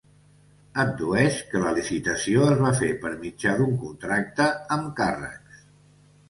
Addueix que la licitació es va fer per mitjà d’un contracte amb càrrecs.